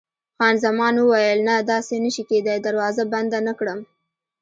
خان زمان وویل: نه، داسې نه شي کېدای، دروازه بنده نه کړم.